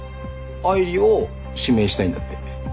愛梨を指名したいんだって。